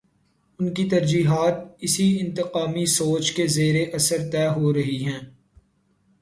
ان کی ترجیحات اسی انتقامی سوچ کے زیر اثر طے ہو رہی ہیں۔